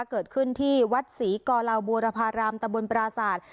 เกิดขึ้นที่วัดศรีกอลาวบัวรภารามตะบนปราสาท